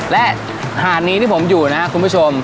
และหาดนี้ที่ผมอยู่นะครับคุณผู้ชม